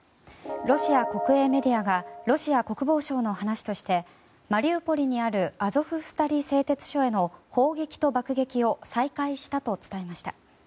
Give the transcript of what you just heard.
ロシア国営メディアがロシア国防省の話としてマリウポリにあるアゾフスタリ製鉄所への砲撃と爆撃を再開したと伝えました。